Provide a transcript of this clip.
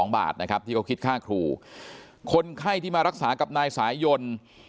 บาทนะครับที่เขาคิดค่าครูคนไข้ที่มารักษากับนายสายยนต์